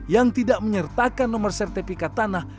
yang tidak menyertakan nomor sertifikat tanah